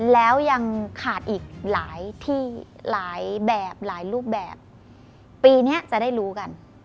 แล้วยังขาดอีกหลายที่หลายแบบหลายรูปแบบปีนี้จะได้รู้กัน